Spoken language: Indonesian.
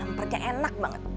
lemparnya enak banget